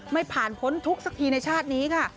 ไม่ผ่านพ้นทุกข์สักทีในชาตินี้ค่ะ